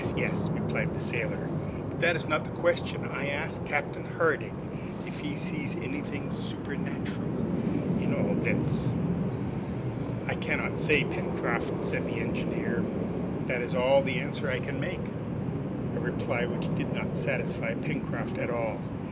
yes!" replied the sailor, "but that is not the question. I ask Captain Harding if he sees anything supernatural in all this." "I cannot say, Pencroft," said the engineer. "That is all the answer I can make." A reply which did not satisfy Pencroft at all.